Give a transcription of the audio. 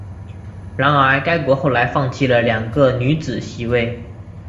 然而该国后来放弃了两个女子席位。